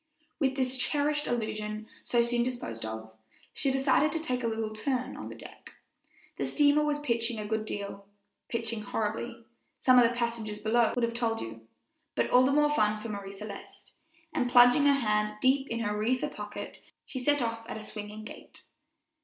With this cherished illusion so soon disposed of, she decided to take a little turn on the deck. The steamer was pitching a good deal "pitching horribly," some of the passengers below would have told you, but all the more fun for Marie Celeste; and plunging her hand deep in her reefer pocket, she set off at a swinging gait.